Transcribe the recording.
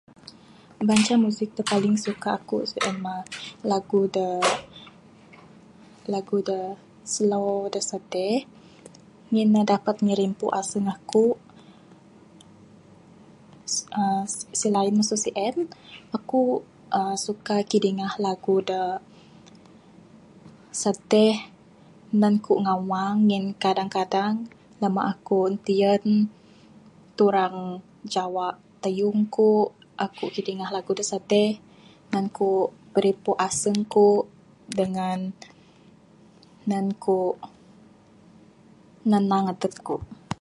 Banca music da paling suka aku sien mah lagu da Lagu da slow da sedih ngin ne dapat ngirimpu aseng aku uhh selain masu sien uhh aku suka kidingah kidingah lagu da sedih nan ku ngawang ngin kadang kadang lama aku untiyan turang jawa tayung ku. Aku kidingah lagu da sedih nan ku pirimpu aseng ku dangan nan ku nganang adep ku.